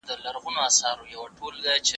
هغه د خپل وجود په قوي ساتلو بوخت دی.